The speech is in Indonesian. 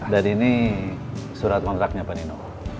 dan ini surat kontraknya pak nino